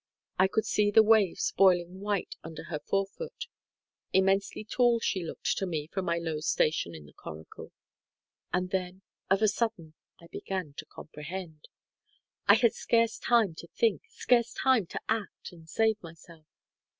I could see the waves boiling white under her forefoot. Immensely tall she looked to me from my low station in the coracle. And then, of a sudden, I began to comprehend. I had scarce time to think—scarce time to act and save myself.